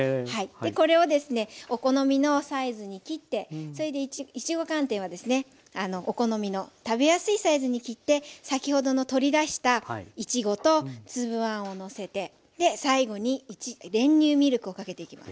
これをですねお好みのサイズに切ってそれでいちご寒天はですねお好みの食べやすいサイズに切って先ほどの取り出したいちごと粒あんをのせて最後に練乳ミルクをかけていきます。